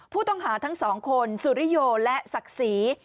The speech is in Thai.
ผู้ต้องหาทั้งสองคนสุริโยและศักดิ์ศรี